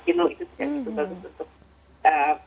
kino itu sudah cukup cukup